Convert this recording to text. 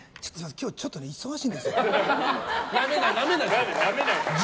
今日、ちょっと忙しいんです。